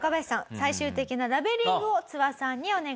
最終的なラベリングをツワさんにお願いします。